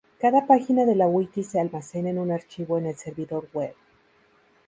Cada página de la wiki se almacena en un archivo en el servidor web.